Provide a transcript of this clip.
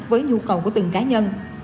với nhu cầu của từng cá nhân